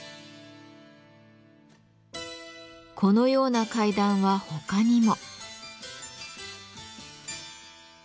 このような階段は他にも。